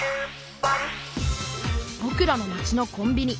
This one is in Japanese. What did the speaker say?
ぼくらの街のコンビニ。